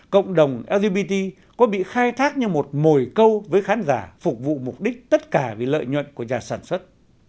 cộng đồng lgbt có bị khai thác như một mồi câu với khán giả phục vụ mục đích tất cả vì lợi nhuận của nhà sản xuất